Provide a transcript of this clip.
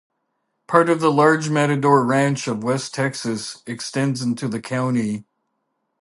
Part of the large Matador Ranch of West Texas extends into the county.